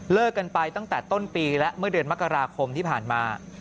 กันไปตั้งแต่ต้นปีและเมื่อเดือนมกราคมที่ผ่านมา